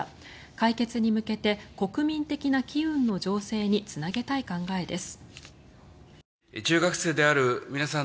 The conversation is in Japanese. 解決に向けて国民的な機運の醸成につなげたい考えです。